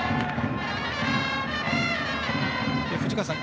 藤川さん